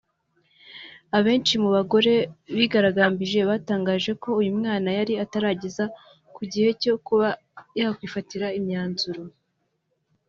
Abenshi mu bagore bigaragambije batangaza ko uyu mwana yari atarageza ku gihe cyo kuba yakwifatira imyanzuro